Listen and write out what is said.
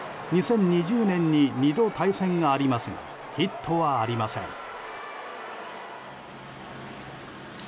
２０２０年に２度、対戦がありますがヒットはありません。